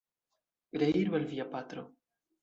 Reiru al via patro!